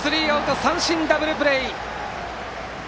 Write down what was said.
三振、ダブルプレー！